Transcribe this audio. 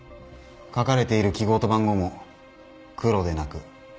書かれている記号と番号も黒でなく褐色。